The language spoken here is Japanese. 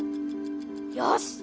よし！